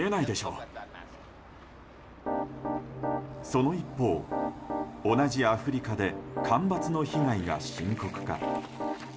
その一方、同じアフリカで干ばつの被害が深刻化。